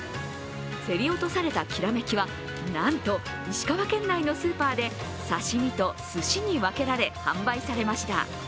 競り落とされた煌は、なんと石川県内のスーパーで刺身とすしに分けられ、販売されました。